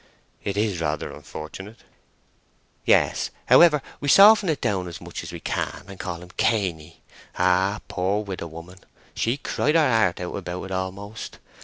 "It is rather unfortunate." "Yes. However, we soften it down as much as we can, and call him Cainy. Ah, pore widow woman! she cried her heart out about it almost.